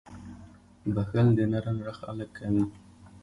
• بښل د نرم زړه خلک کوي.